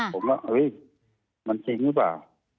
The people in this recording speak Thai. ผมว่ามันจริงหรือเปล่า